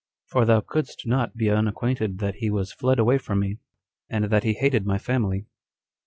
For thou couldst not be unacquainted that he was fled away from me, and that he hated my family."